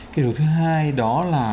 cái điều thứ hai đó là